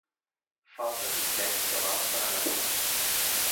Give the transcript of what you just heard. Falta mig any cabal per a Nadal.